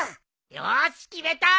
よーし決めた！